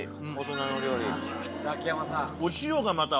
ザキヤマさん。